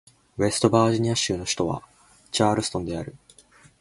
ウェストバージニア州の州都はチャールストンである